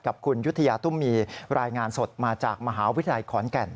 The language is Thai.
กับคุณยุธยาตุ้มมีรายงานสดมาจากมหาวิทยาลัยขอนแก่น